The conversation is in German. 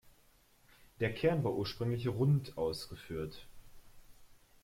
Der Kern war ursprünglich rund ausgeführt.